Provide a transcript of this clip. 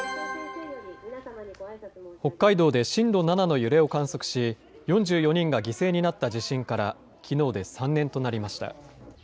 北海道で震度７の揺れを観測し、４４人が犠牲になった地震からきのうで３年となりました。